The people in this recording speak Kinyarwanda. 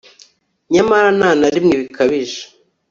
Nyamara nta na rimwe bikabije